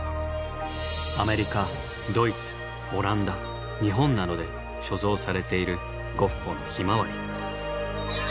アメリカドイツオランダ日本などで所蔵されているゴッホの「ヒマワリ」。